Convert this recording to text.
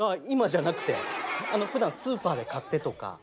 今じゃなくて。ふだんスーパーで買ってとか。